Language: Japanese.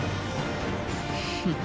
フッ！